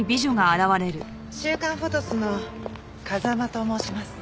『週刊フォトス』の風間と申します。